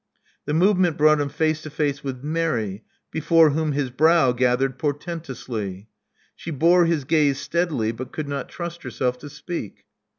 The movement brought him face to face with Mary, before whom his brow gathered portentiously. She bore his gaze steadily, but could not trust herself to speak.